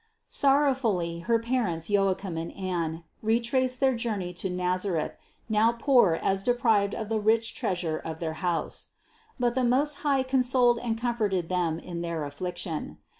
424. Sorrowfully her parents Joachim and Anne re traced their journey to Nazareth, now poor as deprived of the rich Treasure of their house. But the Most High consoled and comforted them in their affliction.